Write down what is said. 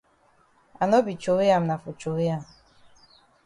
I no be throwey am na for throwey am.